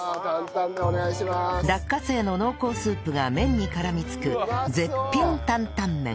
落花生の濃厚スープが麺に絡みつく絶品担々麺